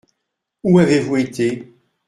Où avez-vous été ?